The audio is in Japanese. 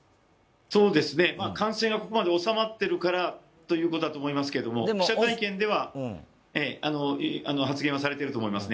感染がここまで収まっているからということだと思いますけど記者会見では、発言はしていると思いますね。